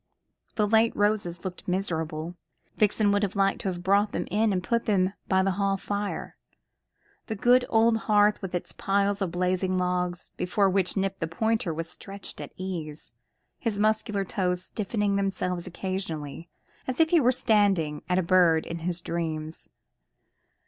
The late roses looked miserable. Vixen would have liked to have brought them in and put them by the hall fire the good old hearth with its pile of blazing logs, before which Nip the pointer was stretched at ease, his muscular toes stiffening themselves occasionally, as if he was standing at a bird in his dreams.